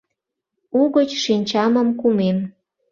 Угыч шинчамым кумем.